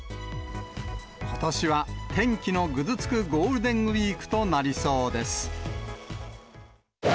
ことしは天気のぐずつくゴールデンウィークとなりそうです。